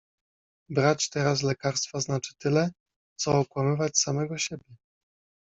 Brać teraz lekarstwa znaczy tyle, co okłamywać samego siebie.